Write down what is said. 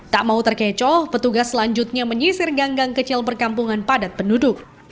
tak mau terkecoh petugas selanjutnya menyisir ganggang kecil perkampungan padat penduduk